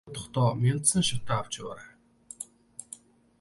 Дайнд мордохдоо мяндсан шатаа авч яваарай.